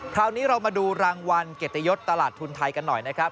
คราวนี้เรามาดูรางวัลเกียรติยศตลาดทุนไทยกันหน่อยนะครับ